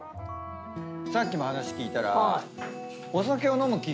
さっきも話聞いたら。